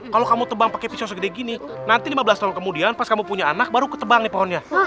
kalau kamu tebang pakai pisau segede gini nanti lima belas tahun kemudian pas kamu punya anak baru ketebang nih pohonnya